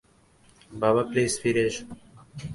বাবা, প্লিজ ফিরে এসো।